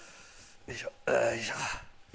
よいしょ。